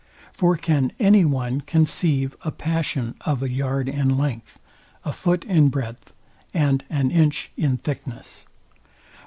For can any one conceive a passion of a yard in length, a foot in breadth, and an inch in thickness?